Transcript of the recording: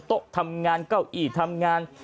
โต๊ะทำงานเก้าอี้ทำงาน